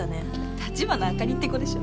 ・立花あかりって子でしょ？